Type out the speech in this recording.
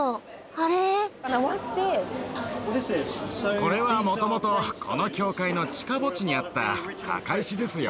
これはもともとこの教会の地下墓地にあった墓石ですよ。